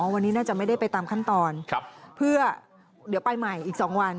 วันนี้น่าจะไม่ได้ไปตามขั้นตอนเพื่อเดี๋ยวไปใหม่อีก๒วัน